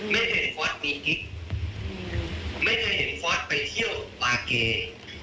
ไม่เคยเห็นฟอร์สมีกิ๊กไม่เคยเห็นฟอร์สไปเที่ยวบาเก